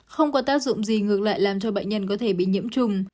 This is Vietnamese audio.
không có tác dụng gì ngược lại làm cho bệnh nhân có thể bị nhiễm trùng